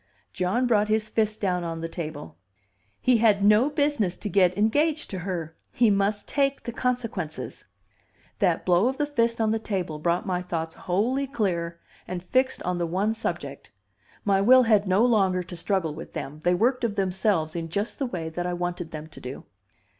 John brought his fist down on the table. "He had no business to get engaged to her! He must take the consequences." That blow of the fist on the table brought my thoughts wholly clear and fixed on the one subject; my will had no longer to struggle with them, they worked of themselves in just the way that I wanted them to do.